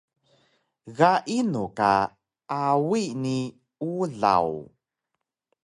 Ga inu ka Awi ni Ulaw?